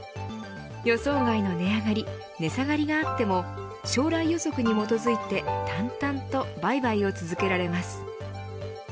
予想外の値上がり値下がりがあっても将来予測に基づいて淡々と売買を続けられます。